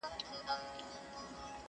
له خپل یار سره روان سو دوکاندار ته؛